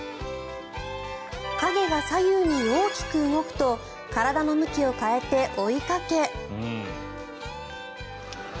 影が左右に大きく動くと体の向きを変えて追いかけ。